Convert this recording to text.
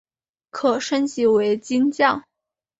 可升级为金将。